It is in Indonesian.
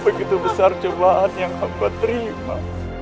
begitu besar cobaan yang aku terima